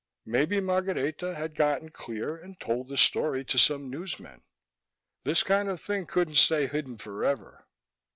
Maybe Margareta had gotten clear and told the story to some newsmen; this kind of thing couldn't stay hidden forever.